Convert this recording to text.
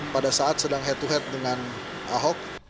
pada saat sedang head to head dengan ahok